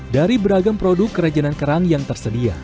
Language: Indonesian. dari beragam produk kerajinan kerang yang tersedia